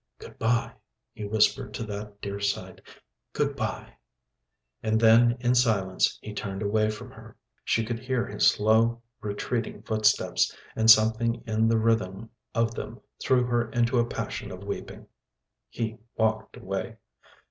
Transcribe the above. "Good bye!" he whispered to that dear sight, "good bye!" And then in silence he turned away from her. She could hear his slow retreating footsteps, and something in the rhythm of them threw her into a passion of weeping. He walked away.